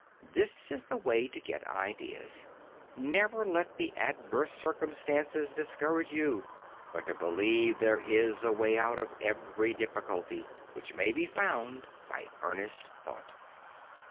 This is the way to get ideas: never to let adverse circumstances discourage you, but to believe there is a way out of every difficulty, which may be found by earnest thought.